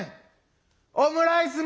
「オムライス」